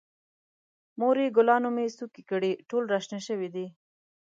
مورې، ګلانو مې څوکې کړي، ټول را شنه شوي دي.